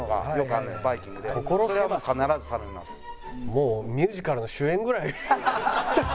もうミュージカルの主演ぐらい。